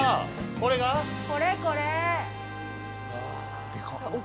◆これ、これー。